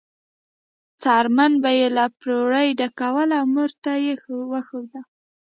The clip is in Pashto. څرمن به یې له پروړې ډکوله او مور ته یې وښوده.